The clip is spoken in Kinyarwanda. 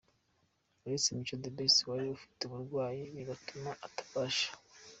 Uretse Mico The Best wari ufite uburwayi bigatuma atabasha.